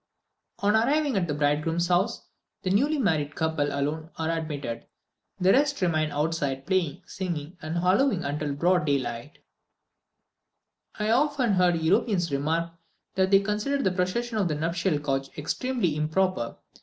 On arriving at the bridegroom's house, the newly married couple alone are admitted; the rest remain outside playing, singing, and hallooing until broad day. I often heard Europeans remark that they considered the procession of the nuptial couch extremely improper.